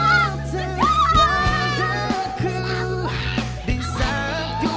lepaskan dirimu dari sisi ku